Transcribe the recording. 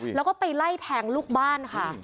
แล้วก็ไปไล่แทงลูกบ้านค่ะ